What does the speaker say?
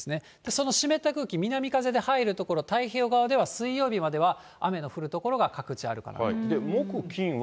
その湿った空気、南風で入る所、太平洋側では、水曜日までは雨の降る所が各地、あるかと。